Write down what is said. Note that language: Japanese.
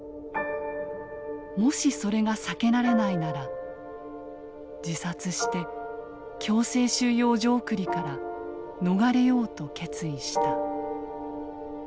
もしそれが避けられないなら自殺して強制収容所送りから逃れようと決意した」。